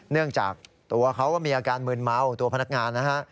เนื่องจากตัวเขาก็มีอาการมืนเมาตัวพนักงานนะฮะ